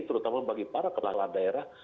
terutama bagi para kepala daerah